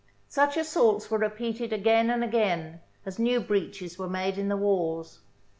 Such assaults were repeated again and again, as new breaches were made in the walls.